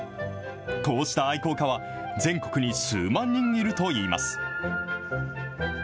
こうした愛好家は、全国に数万人いるといいます。